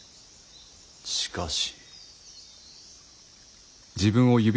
しかし。